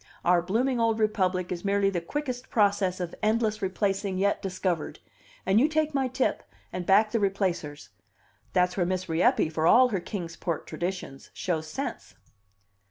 Our blooming old republic is merely the quickest process of endless replacing yet discovered, and you take my tip, and back the replacers! That's where Miss Rieppe, for all her Kings Port traditions, shows sense."